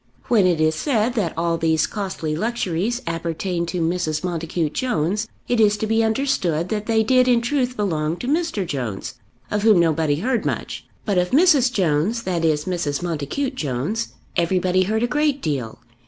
When it is said that all these costly luxuries appertained to Mrs. Montacute Jones, it is to be understood that they did in truth belong to Mr. Jones, of whom nobody heard much. But of Mrs. Jones, that is, Mrs. Montacute Jones, everybody heard a great deal.